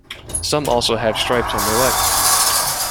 Some also have stripes on their legs.